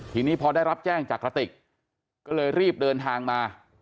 ทีนี้พอได้รับแจ้งจากกระติกก็เลยรีบเดินทางมา